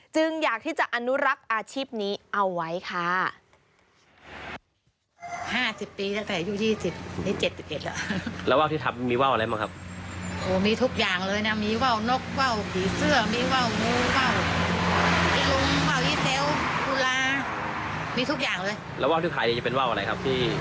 อยากที่จะอนุรักษ์อาชีพนี้เอาไว้ค่ะ